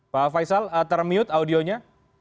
pak faisal termute audionya